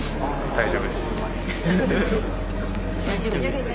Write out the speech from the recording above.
大丈夫っす。